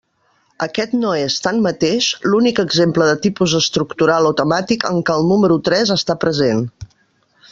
Aquest no és, tanmateix, l'únic exemple de tipus estructural o temàtic en què el número tres està present.